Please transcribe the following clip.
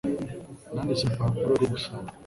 Nanditse urupapuro rwo gusaba.